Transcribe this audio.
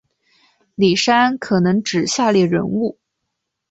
李珊可能指下列人物